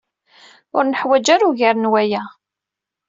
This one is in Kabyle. Ur neḥwiǧ ara ugar n waya.